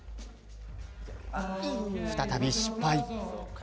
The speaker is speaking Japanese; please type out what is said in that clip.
再び失敗。